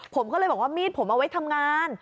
ผมก็เลยบอกว่ามีดผมเอาไว้ทำงาน